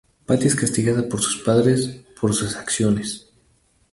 Patti es castigada por sus padres por sus acciones.